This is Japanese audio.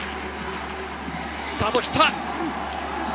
スタートを切った。